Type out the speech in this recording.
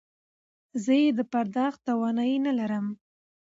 چې زه يې د پرداخت توانايي نه لرم.